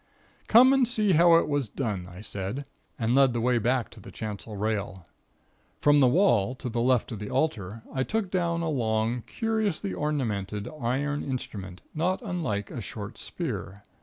"Come and see how it was done," I said, and led the way back to the chancel rail. From the wall to the left of the altar I took down a long, curiously ornamented, iron instrument, not unlike a short spear.